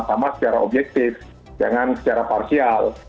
sama secara objektif jangan secara parsial